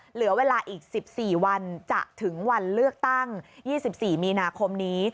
เหลือเวลาอีก๑๔วันจะถึงวันเลือกตั้ง๒๔มีนาคมนี้